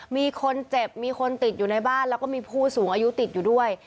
มีคนเจ็บมีคนติดอยู่ในบ้านแล้วก็มีผู้สูงอายุติดอยู่ด้วย